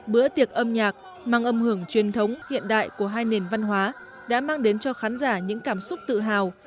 bữa tiệc âm nhạc mang âm hưởng truyền thống hiện đại của hai nền văn hóa đã mang đến cho khán giả những cảm xúc tự hào